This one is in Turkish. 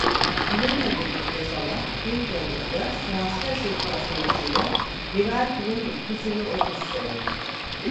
Bununla birlikte Salah bir Temmuzda transfer sezonu açılmasıyla Liverpool'un ilk Mısırlı oyuncusu oldu.